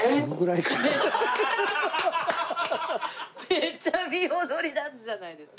めっちゃ身を乗り出すじゃないですか。